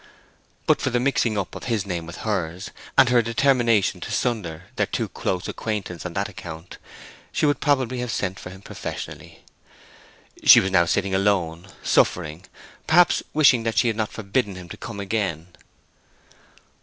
But for the mixing up of his name with hers, and her determination to sunder their too close acquaintance on that account, she would probably have sent for him professionally. She was now sitting alone, suffering, perhaps wishing that she had not forbidden him to come again.